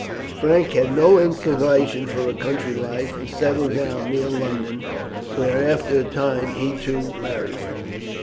Frank had no inclination for a country life, and settled down near London, where, after a time, he too married.